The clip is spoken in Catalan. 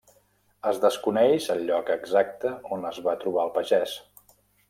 Es desconeix el lloc exacte on les va trobar el pagès.